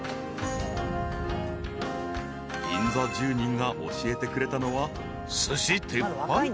［銀座住人が教えてくれたのは］